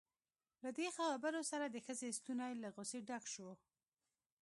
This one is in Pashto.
له دې خبرو سره د ښځې ستونی له غصې ډک شو.